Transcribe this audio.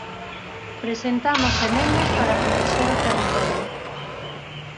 Presentamos emendas para protexer o territorio.